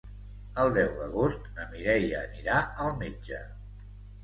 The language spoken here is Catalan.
El deu d'agost na Mireia anirà al metge.